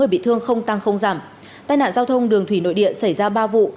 người bị thương không tăng không giảm tài nạn giao thông đường thủy nội điện xảy ra ba vụ